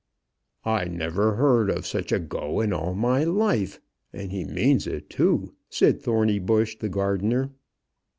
"I never heard of such a go in all my life; and he means it, too," said Thornybush, the gardener.